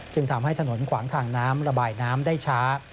ทำให้ถนนขวางทางน้ำระบายน้ำได้ช้า